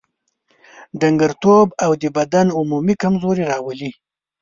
ډنګرتوب او د بدن عمومي کمزوري راولي.